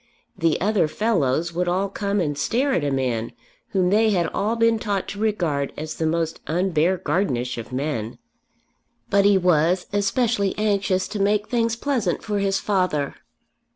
"The other fellows" would all come and stare at a man whom they had all been taught to regard as the most un Beargardenish of men. But he was especially anxious to make things pleasant for his father.